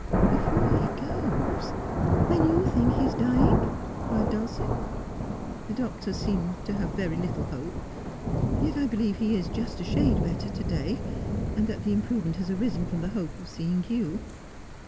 ' Before he goes. Then you think he is dying ?' cried Dulcie. ' The doctors seem to have very little hope. Yet I believe lie is just a shade better to day, and that the improvement has arisen from the hope of seeing you.'